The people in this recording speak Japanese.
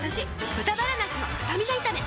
「豚バラなすのスタミナ炒め」